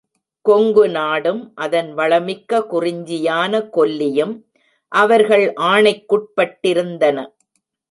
கொங்குநாடும் அதன் வளமிக்க குறிஞ்சியான கொல்லியும் அவர்கள் ஆணைக்குட்பட்டிருந்தன.